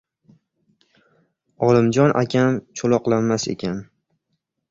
Olimjon akam cho‘loqlanmas ekan.